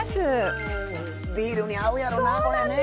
ビールに合うやろなこれね！